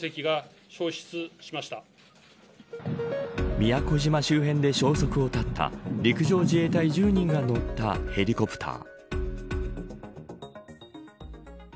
宮古島周辺で消息を絶った陸上自衛隊１０人が乗ったヘリコプター。